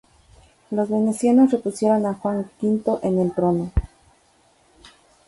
Los venecianos repusieron a Juan V en el trono.